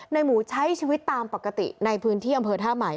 หมูใช้ชีวิตตามปกติในพื้นที่อำเภอท่าใหม่